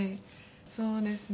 そうですね。